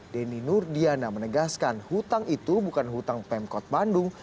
denny nur diana menegaskan hutang itu bukan hutang pemkot bandung